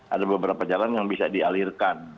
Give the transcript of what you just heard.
ada beberapa jalan yang bisa dialirkan